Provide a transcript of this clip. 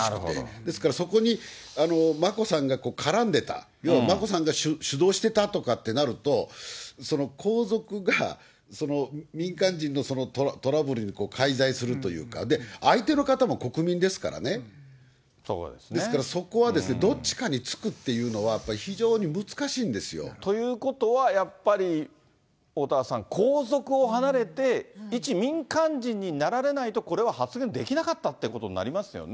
ですから、そこに眞子さんが絡んでた、要は眞子さんが主導してたとかってなると、皇族が民間人のトラブルに介在するというか、相手の方も国民ですからね、ですから、そこはどっちかにつくっていうのは、やっぱり非常に難しいんですということは、やっぱり、おおたわさん、皇族を離れて、一民間人になられないと、これは発言できなかったってことになりますよね。